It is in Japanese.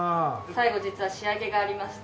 最後実は仕上げがありまして。